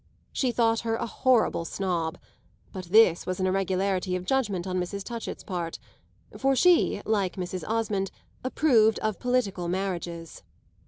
She thought her a horrible snob; but this was an irregularity of judgement on Mrs. Touchett's part, for she, like Mrs. Osmond, approved of political marriages.